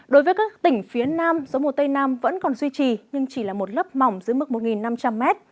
đối với các tỉnh phía nam gió mùa tây nam vẫn còn duy trì nhưng chỉ là một lớp mỏng giữa mức một năm trăm linh m